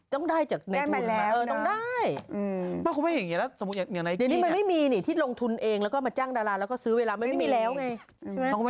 ต้องได้จากในทุนไหมต้องได้อืม